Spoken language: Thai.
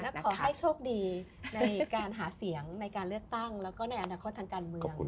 และขอให้โชคดีในการหาเสียงในการเลือกตั้งแล้วก็ในอนาคตทางการเมือง